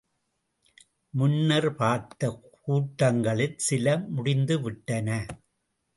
முன்னர் பார்த்த கூட்டங்களில் சில முடிந்துவிட்டன.